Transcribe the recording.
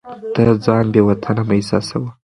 ته ځان بې وطنه مه احساسوه.